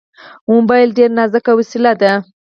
موبایل ډېر نازک وسیله ده.